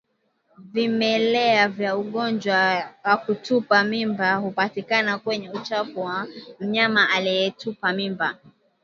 Vimelea vya ugonjwa wa kutupa mimba hupatikana kwenye uchafu wa mnyama aliyetupa mimba